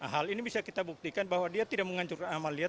hal ini bisa kita buktikan bahwa dia tidak menghancurkan amalia